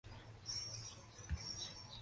Masaya Matsumoto